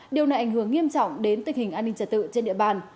điều này ảnh hưởng nghiêm trọng đến tình hình an ninh trật tự trên địa bàn